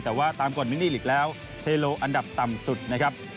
แต่ว่าตามกฎมินิลิกแล้วเทโลอันดับต่ำสุดนะครับ